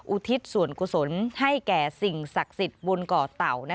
ทิศส่วนกุศลให้แก่สิ่งศักดิ์สิทธิ์บนเกาะเต่า